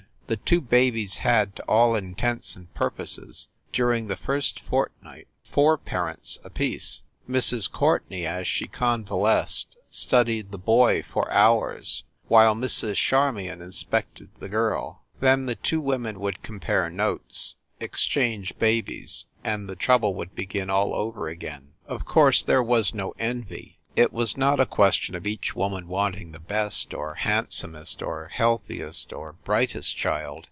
The two babies had, to all intents and purposes, during the first fortnight, four parents apiece. Mrs. Courtenay, as she convalesced, studied the boy for hours, while Mrs. Charmion inspected the girl. Then the two women would compare noteSi exchange babies, and the trouble would begin all over again. Of course, there was no envy; it was not a question of each woman wanting the best, or handsomest or healthiest or brightest child.